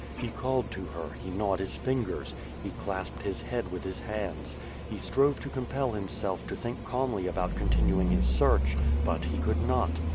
He called to her, he gnawed his fingers, he clasped his head with his hands. He strove to compel himself to think calmly about continuing his search, but he could not.